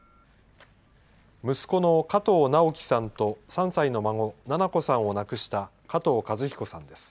息子の加藤直幹さんと３歳の孫、七菜子さんを亡くした加藤和彦さんです。